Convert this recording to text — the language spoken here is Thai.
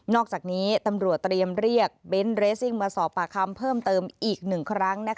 อกจากนี้ตำรวจเตรียมเรียกเบนท์เรซิ่งมาสอบปากคำเพิ่มเติมอีก๑ครั้ง